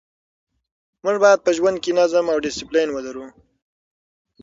موږ باید په ژوند کې نظم او ډسپلین ولرو.